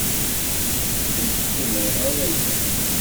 Ur d-ssumreɣ ara aya.